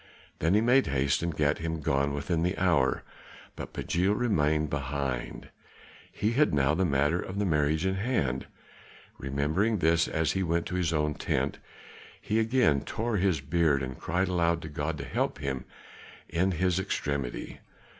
Then he made haste and gat him gone within the hour, but Pagiel remained behind; he had now the matter of the marriage in hand. Remembering this as he went to his own tent, he again tore his beard and cried aloud to God to help him in his extremity.